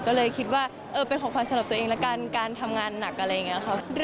ก็เลยคิดว่าเออเป็นของขวัญสำหรับตัวเองแล้วกันการทำงานหนักอะไรอย่างนี้ค่ะ